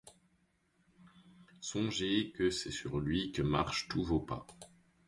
Songez que c’est sur lui que marchent tous vos pas !